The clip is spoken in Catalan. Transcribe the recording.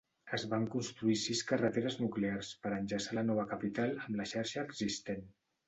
Es van construir sis carreteres nuclears per enllaçar la nova capital amb la xarxa existent.